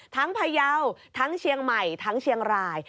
พยาวทั้งเชียงใหม่ทั้งเชียงราย